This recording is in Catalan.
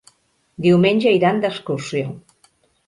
Diumenge iran d'excursió.